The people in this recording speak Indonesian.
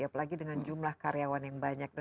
apalagi dengan jumlah karyawan yang banyak